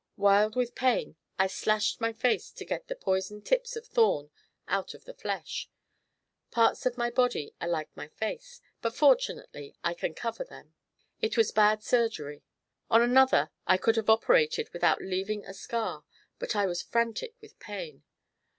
Wild with pain, I slashed my face to get the poisoned tips of thorn out of the flesh. Parts of my body are like my face, but fortunately I can cover them. It was bad surgery. On another I could have operated without leaving a scar, but I was frantic with pain.